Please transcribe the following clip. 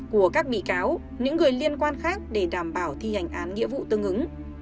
của các bị cáo những người liên quan khác để đảm bảo thi hành án nghĩa vụ tương ứng